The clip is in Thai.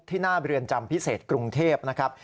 หน้าเรือนจำพิเศษกรุงเทพนะครับ